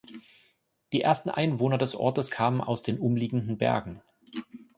Die ersten Einwohner des Ortes kamen aus den umliegenden Bergen.